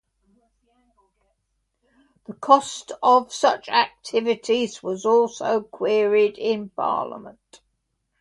The cost of such activities was also queried in Parliament.